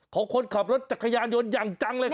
ของคนขับรถจักรยานยนต์อย่างจังเลยครับ